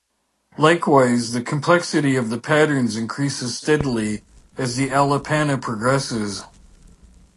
Likewise, the complexity of the patterns increases steadily as the alapana progresses.